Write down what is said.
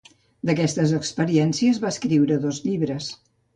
D'aquestes experiències va escriure dos llibres.